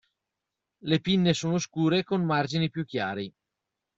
Le pinne sono scure con margini più chiari.